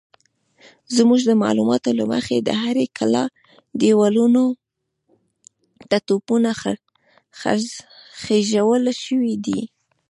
زموږ د معلوماتو له مخې د هرې کلا دېوالونو ته توپونه خېژول شوي دي.